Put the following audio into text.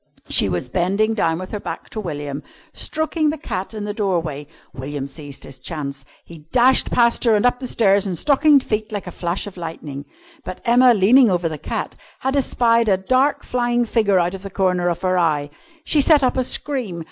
She was bending down with her back to William, stroking the cat in the doorway. William seized his chance. He dashed past her and up the stairs in stockinged feet like a flash of lightning. But Emma, leaning over the cat, had espied a dark flying figure out of the corner of her eye. She set up a scream.